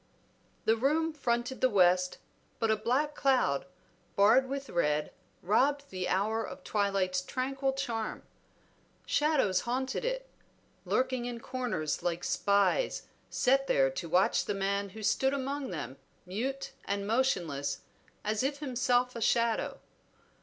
The room fronted the west, but a black cloud, barred with red, robbed the hour of twilight's tranquil charm. Shadows haunted it, lurking in corners like spies set there to watch the man who stood among them mute and motionless as if himself a shadow.